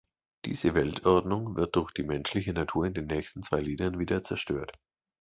Diese Weltordnung wird durch die menschliche Natur in den nächsten zwei Liedern wieder zerstört.